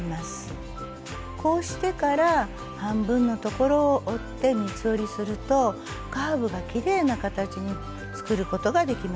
こうしてから半分の所を折って三つ折りするとカーブがきれいな形に作ることができます。